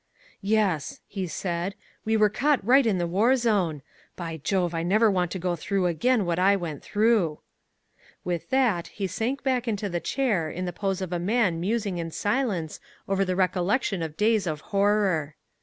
"Yes," he said, "we were caught right in the war zone. By Jove, I never want to go through again what I went through." With that, he sank back into the chair in the pose of a man musing in silence over the recollection of days of horror.